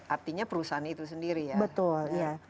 artinya perusahaan itu sendiri ya